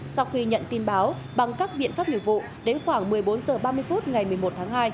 sau khi nhận tin báo bằng các biện pháp nghiệp vụ đến khoảng một mươi bốn h ba mươi phút ngày một mươi một tháng hai